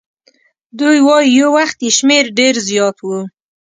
دوی وایي یو وخت یې شمیر ډېر زیات وو.